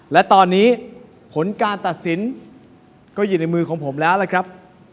และตอนนี้ผลการตัดสินก็อยู่ในมือของผมแล้วล่ะครับ